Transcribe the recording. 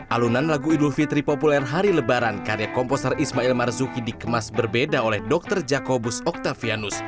alunan lagu idul fitri populer hari lebaran karya komposer ismail marzuki dikemas berbeda oleh dr jakobus octavianus